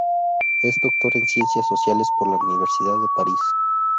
Es Doctor en Ciencias Sociales por la Universidad de París.